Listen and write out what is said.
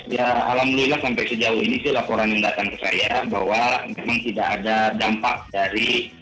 ya alhamdulillah sampai sejauh ini sih laporan yang datang ke saya bahwa memang tidak ada dampak dari